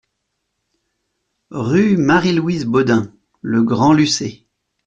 Rue Marie Louise Bodin, Le Grand-Lucé